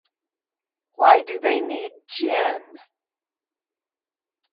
Why do they need gin?